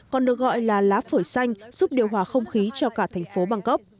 còn được gọi là lá phổi xanh giúp điều hòa không khí cho cả thành phố bangkok